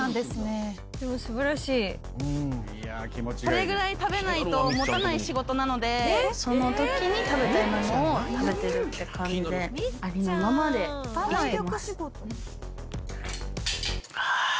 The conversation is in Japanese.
これぐらい食べないと持たない仕事なのでその時に食べたいものを食べてるって感じでありのままで生きてます。